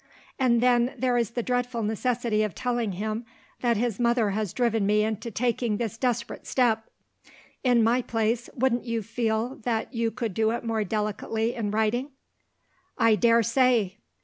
And then there is the dreadful necessity of telling him, that his mother has driven me into taking this desperate step. In my place, wouldn't you feel that you could do it more delicately in writing?" "I dare say!"